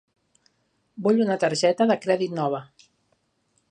Vull una targeta de crèdit nova.